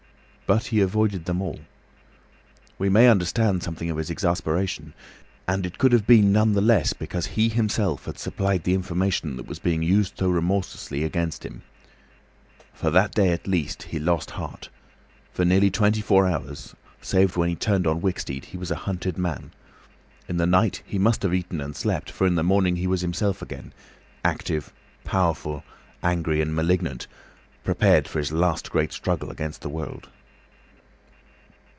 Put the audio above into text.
But he avoided them all. We may understand something of his exasperation, and it could have been none the less because he himself had supplied the information that was being used so remorselessly against him. For that day at least he lost heart; for nearly twenty four hours, save when he turned on Wicksteed, he was a hunted man. In the night, he must have eaten and slept; for in the morning he was himself again, active, powerful, angry, and malignant, prepared for his last great struggle against the world.